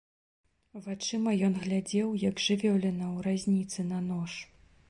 Вачыма ён глядзеў, як жывёліна ў разніцы на нож.